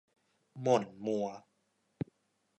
หม่นมัว